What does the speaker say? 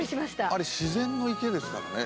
あれ自然の池ですからね。